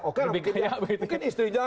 oke mungkin istrinya